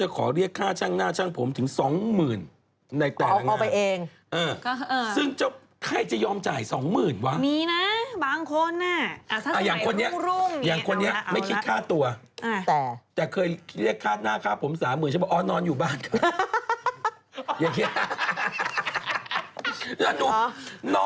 ไม่ใช่นางแบบเลยอ่าวางไว้ใช่ไหมล่ะฉันสนใจเรื่องขยี้ชุด